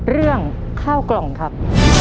เรื่องข้าวกล่องครับ